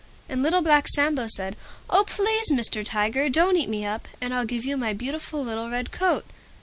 And Little Black Sambo said, "Oh! Please Mr. Tiger, don't eat me up, and I'll give you my beautiful little Red Coat."